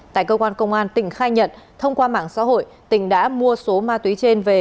tại cơ quan công an tỉnh khai nhận thông qua mạng xã hội tỉnh đã mua số ma túy trên về